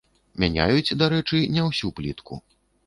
Мяняюць, дарэчы, не ўсю плітку.